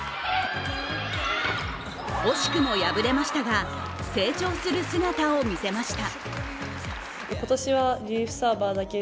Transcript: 惜しくも敗れましたが、成長する姿を見せました。